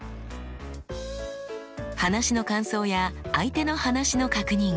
話の感想や相手の話の確認